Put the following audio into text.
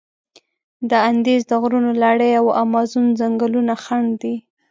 د اندیز د غرونو لړي او امازون ځنګلونه خنډ دي.